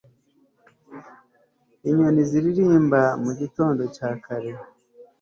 inyoni ziririmba mu gitondo cya kare